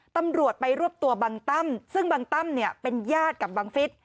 ตำรวจไปรวบตัวบังตั้มซึ่งบางตั้มเนี่ยเป็นญาติกับบังฟิศ